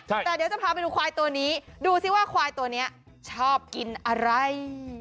แต่เดี๋ยวจะพาไปดูควายตัวนี้ดูสิว่าควายตัวนี้ชอบกินอะไร